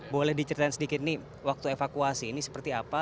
boleh diceritain sedikit nih waktu evakuasi ini seperti apa